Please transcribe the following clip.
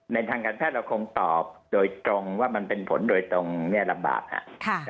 ทางการแพทย์เราคงตอบโดยตรงว่ามันเป็นผลโดยตรงเนี่ยลำบากครับ